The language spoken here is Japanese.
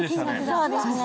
そうですね